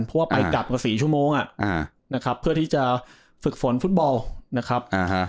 เพราะว่าไปกลับกว่า๔ชั่วโมงนะครับเพื่อที่จะฝึกฝนฟุตบอลนะครับ